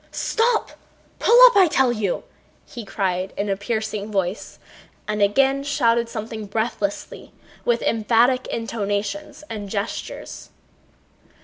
"Stop! Pull up, I tell you!" he cried in a piercing voice, and again shouted something breathlessly with emphatic intonations and gestures.